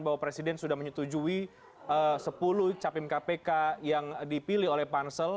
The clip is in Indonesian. bahwa presiden sudah menyetujui sepuluh capim kpk yang dipilih oleh pansel